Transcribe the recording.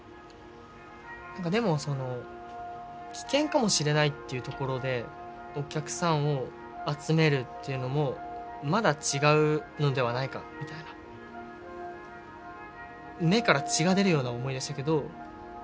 何かでもその危険かもしれないっていうところでお客さんを集めるっていうのもまだ違うのではないかみたいな。ということを言って。